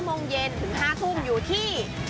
โมงเย็นถึง๕ทุ่มอยู่ที่